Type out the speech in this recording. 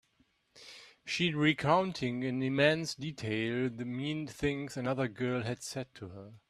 She recounting in immense detail the mean things another girl had said to her.